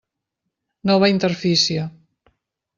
Nova interfície.